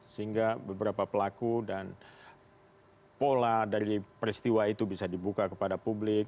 sehingga beberapa pelaku dan pola dari peristiwa itu bisa dibuka kepada publik